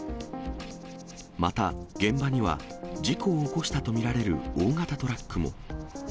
また、現場には事故を起こしたと見られる大型トラックも。